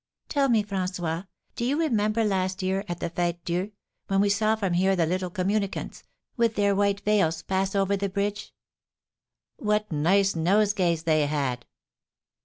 "Tell me, François, do you remember last year, at the Fête Dieu, when we saw from here the little communicants, with their white veils, pass over the bridge?" "What nice nosegays they had!"